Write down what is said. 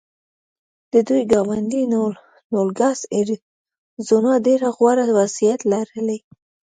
د دوی ګاونډی نوګالس اریزونا ډېر غوره وضعیت لري.